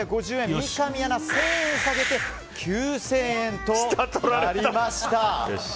三上アナ、１０００円下げて９０００円となりました。